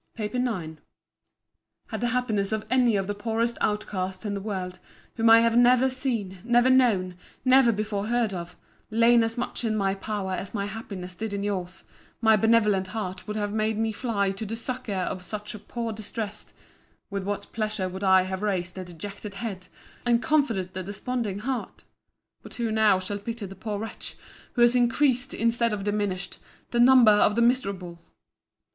PAPER IX Had the happiness of any of the poorest outcast in the world, whom I had never seen, never known, never before heard of, lain as much in my power, as my happiness did in your's, my benevolent heart would have made me fly to the succour of such a poor distressed—with what pleasure would I have raised the dejected head, and comforted the desponding heart!—But who now shall pity the poor wretch, who has increased, instead of diminished, the number of the miserable!